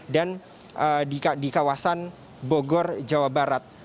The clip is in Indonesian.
dan di kawasan bogor jawa barat